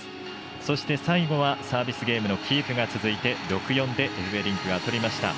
そして、最後はサービスゲームのキープが続いて６−４でエフベリンクが取りました。